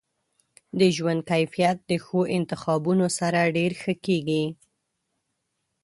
د ژوند کیفیت د ښو انتخابونو سره ډیر ښه کیږي.